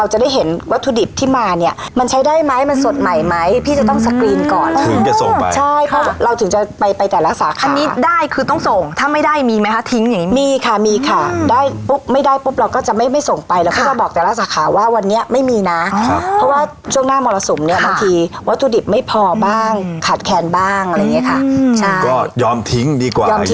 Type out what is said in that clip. เห็นวัตถุดิบที่มาเนี้ยมันใช้ได้ไหมมันสดใหม่ไหมพี่จะต้องก่อนถึงจะส่งไปใช่เพราะเราถึงจะไปไปแต่ละสาขาอันนี้ได้คือต้องส่งถ้าไม่ได้มีไหมคะทิ้งอย่างงี้มีค่ะมีค่ะได้ปุ๊บไม่ได้ปุ๊บเราก็จะไม่ไม่ส่งไปแล้วพี่ก็บอกแต่ละสาขาว่าวันนี้ไม่มีน่ะครับเพราะว่าช่วงหน้ามอสมเนี้ยบางที